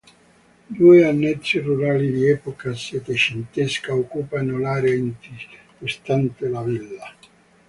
Due annessi rurali di epoca settecentesca occupano l'area antistante la villa.